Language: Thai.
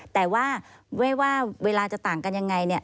แต่ว่าไม่ว่าเวลาจะต่างกันยังไงเนี่ย